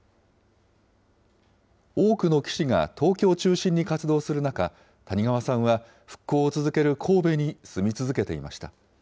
多くの棋士が東京中心に活動する中、谷川さんは復興を続ける神戸に住み続けていました。